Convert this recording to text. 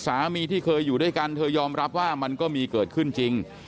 สามีที่เคยอยู่ด้วยกันเธอยอมรับว่ามันก็มีเกิดขึ้นจริง